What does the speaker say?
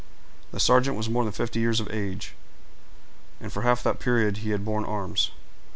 The sergeant was more than fifty years of age, and for half that period he had borne arms.